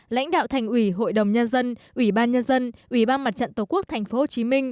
lãnh đạo thành ủy hội đồng nhân dân ủy ban nhân dân ủy ban mặt trận tổ quốc tp hcm